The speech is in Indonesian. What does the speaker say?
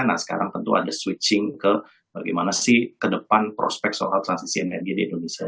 nah sekarang tentu ada switching ke bagaimana sih ke depan prospek soal transisi energi di indonesia